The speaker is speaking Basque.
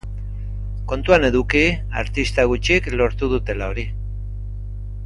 Kontuan eduki artista gutxik lortu dutela hori.